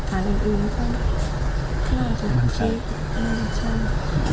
ส่วนคนร้ายที่ดูแลกว่าพ่อมีสองอารมณ์ความรู้สึกดีใจที่เจอพ่อแล้ว